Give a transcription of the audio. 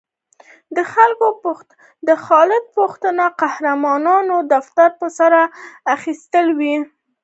د خالد پښتون قهقهاوو دفتر په سر اخیستی و.